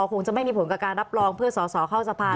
คงจะไม่มีผลกับการรับรองเพื่อสอสอเข้าสภา